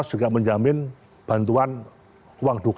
mensos juga menjamin bantuan uang dukanya juga sudah siap